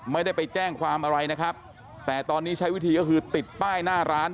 ไม่ได้ไปแจ้งความอะไรนะครับแต่ตอนนี้ใช้วิธีก็คือติดป้ายหน้าร้าน